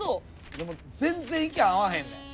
でも全然意見合わへんねん。